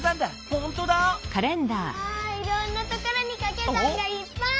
ほんとだ！わいろんなところにかけ算がいっぱい！